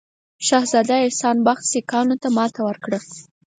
شهزاده احسان بخت سیکهانو ته ماته ورکړه.